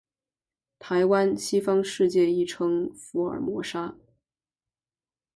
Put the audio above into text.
台湾，西方世界亦称福尔摩沙。